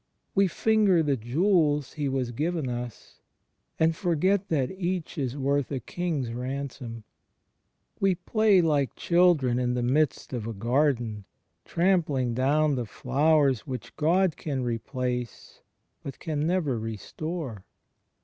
We finger the jewels He was given us, and forget that each is worth a King's ransom; we play, like children in the midst of a garden, trampling down the flowers which God can replace but can never re store.